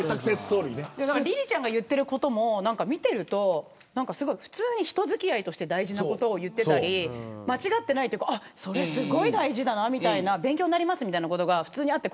りりちゃんが言ってることも見ていると、普通に人付き合いとして大事なことを言っていたり間違ってないというかそれすごい大事だなみたいな勉強になりますということが普通にあって。